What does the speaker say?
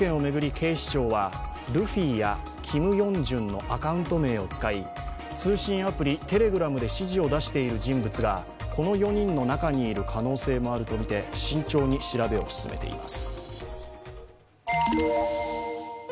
警視庁はルフィやＫｉｍＹｏｕｎｇ−ｊｕｎのアカウント名を使い通信アプリＴｅｌｅｇｒａｍで指示を出している人物がこの４人の中にいる可能性もあるとみて慎重に調べを進めています。